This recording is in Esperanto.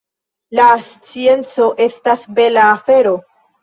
La scienco estas bela afero.